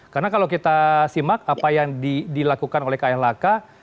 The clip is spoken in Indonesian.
karena kalau kita simak apa yang dilakukan oleh klhk